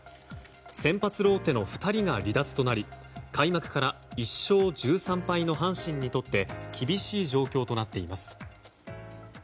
先発ローテの２人が離脱となり開幕から１勝１３敗の阪神にとって厳しい状況となっています。